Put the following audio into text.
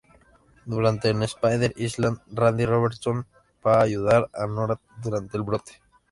Durante en "Spider-Island", Randy Robertson va a ayudar a Norah durante el brote.